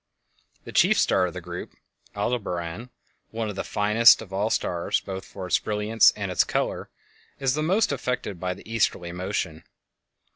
The chief star of the group, Aldebaran, one of the finest of all stars both for its brilliance and its color, is the most affected by the easterly motion.